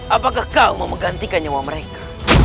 apakah kau mau menggantikan nyawa mereka